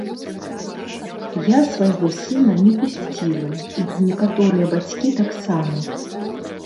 Я свайго сына не пусціла, і некаторыя бацькі таксама.